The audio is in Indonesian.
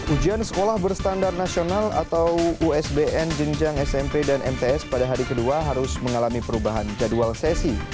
ujian sekolah berstandar nasional atau usbn jenjang smp dan mts pada hari kedua harus mengalami perubahan jadwal sesi